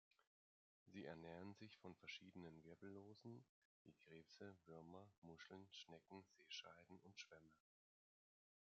Sie ernähren sich von verschiedenen Wirbellosen, wie Krebse, Würmer, Muscheln, Schnecken, Seescheiden und Schwämme.